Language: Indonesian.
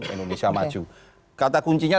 indonesia maju kata kuncinya